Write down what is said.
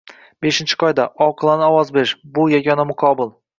Beshinchi qoida - oqilona ovoz berish - bu yagona muqobil